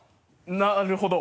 なるほど。